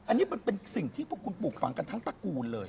อันนี้มันเป็นสิ่งที่พวกคุณปลูกฝังกันทั้งตระกูลเลย